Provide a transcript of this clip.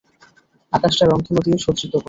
আকাশটা রংধনু দিয়ে সুসজ্জিত করো!